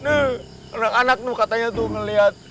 anak anakmu katanya tuh melihat